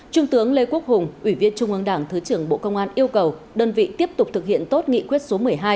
trung tướng lê quốc hùng ủy viên trung ương đảng thứ trưởng bộ công an yêu cầu đơn vị tiếp tục thực hiện tốt nghị quyết số một mươi hai